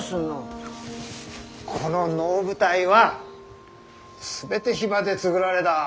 この能舞台は全てヒバで造られだ